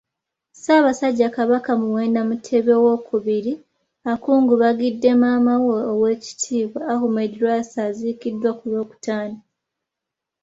Ssaabasajja Kabaka Muwenda Mutebi Owookubiri, akungubagidde maama wa Oweekitiibwa Ahmed Lwasa aziikiddwa ku Lwokutaano.